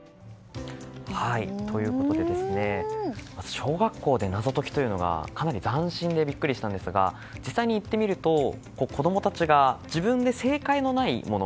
小学校で謎解きというのがかなり斬新でビックリしたんですが実際に行ってみると子供たちが自分で正解のないもの